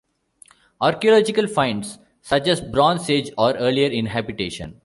Archeological finds suggest Bronze Age or earlier inhabitation.